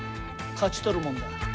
勝ち取るもんだ！